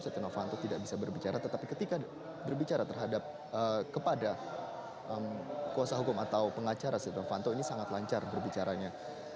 setia novanto tidak bisa berbicara tetapi ketika berbicara terhadap kepada kuasa hukum atau pengacara setia novanto ini sangat lancar berbicaranya